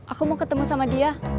aku mau ketemu sama dia